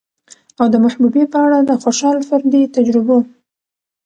او د محبوبې په اړه د خوشال فردي تجربو